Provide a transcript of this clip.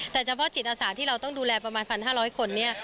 แต่เฉพาะจิตอาสาที่เราต้องดูแลประมาณ๑๕๐๐คนเนี่ย